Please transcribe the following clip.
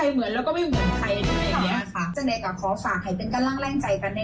หมายยัดสวยก็คือหมายต้องอะไร